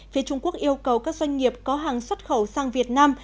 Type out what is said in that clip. phía trung quốc yêu cầu các doanh nghiệp có hàng xuất khẩu sang việt nam